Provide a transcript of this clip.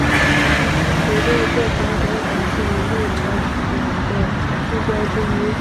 主教座堂广场是立陶宛的地标之一。